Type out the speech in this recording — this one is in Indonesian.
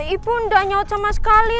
ibu nda nyaut sama sekali